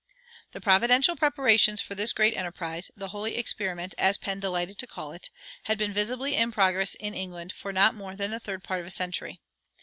The providential preparations for this great enterprise "the Holy Experiment," as Penn delighted to call it had been visibly in progress in England for not more than the third part of a century.